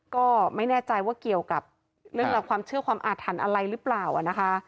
ก็ไม่แน่ใจว่าเกี่ยวกับเรื่องราวความเชื่อความอาถรรพ์อะไรหรือเปล่านะคะ